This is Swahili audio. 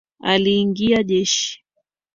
Aliingia jeshi.